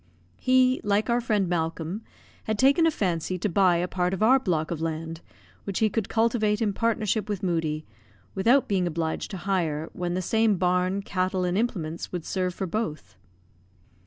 He, like our friend Malcolm, had taken a fancy to buy a part of our block of land, which he could cultivate in partnership with Moodie, without being obliged to hire, when the same barn, cattle, and implements would serve for both.